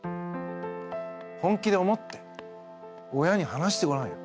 本気で思って親に話してごらんよ。